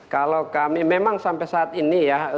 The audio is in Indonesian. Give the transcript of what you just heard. kalau kami memang sampai saat ini ya